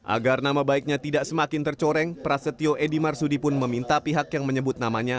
agar nama baiknya tidak semakin tercoreng prasetyo edy marsudi pun meminta pihak yang menyebut namanya